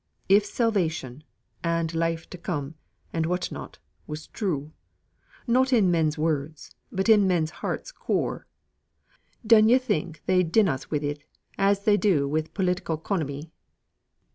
If salvation, and life to come, and what not, was true not in men's words, but in men's hearts' core dun yo' not think they'd din us wi' it as they do wi' political 'conomy?